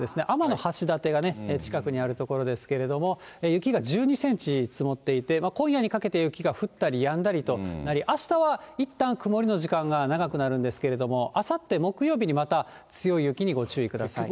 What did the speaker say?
天橋立が近くにある所ですけれども、雪が１２センチ積もっていて、今夜にかけて雪が降ったりやんだりとなりあしたはいったん、曇りの時間が長くなるんですけれども、あさって木曜日にまた強い雪にご注意ください。